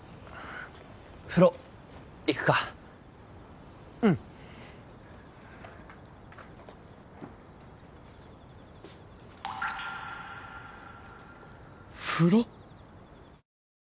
風呂行くかうん風呂！？